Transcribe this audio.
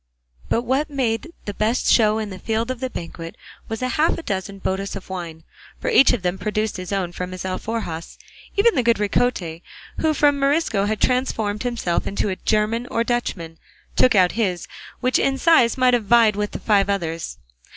But what made the best show in the field of the banquet was half a dozen botas of wine, for each of them produced his own from his alforjas; even the good Ricote, who from a Morisco had transformed himself into a German or Dutchman, took out his, which in size might have vied with the five others.